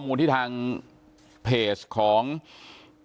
สวัสดีคุณผู้ชมครับสวัสดีคุณผู้ชมครับ